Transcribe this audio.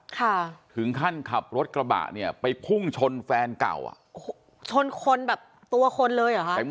ค่ะถึงขั้นขับรถกระบะเนี่ยไปพุ่งชนแฟนเก่าอ่ะชนคนแบบตัวคนเลยเหรอคะเต็ม